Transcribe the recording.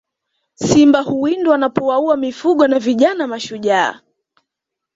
Simba huwindwa wanapowaua mifugo na vijana mashujaa